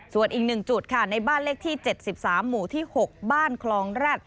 ส่วนอีก๑จุดค่ะในบ้านเลขที่๗๓หมู่ที่๖บ้านคลองแร็ด